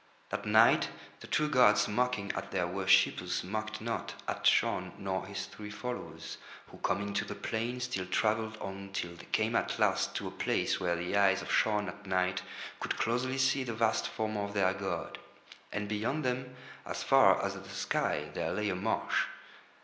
That night the two gods mocking at their worshippers mocked not at Shaun nor his three followers, who coming to the plain still travelled on till they came at last to a place where the eyes of Shaun at night could closely see the vast form of their god. And beyond them as far as the sky there lay a marsh.